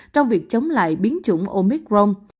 trong việc chống lại biến chủng omicron